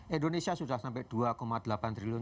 indonesia sudah sampai dua delapan triliun